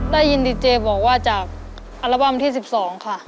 ได้ยินดีเจบอกว่าจากอัลบั้มที่๑๒ค่ะ